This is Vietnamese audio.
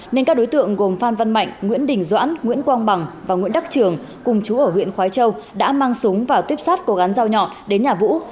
nên các đối tượng gồm phan văn mạnh nguyễn đình doãn nguyễn quang bằng và nguyễn đắc trường cùng chú ở huyện khói châu đã mang súng và tuyếp sát cố gắng giao nhọn đến nhà vũ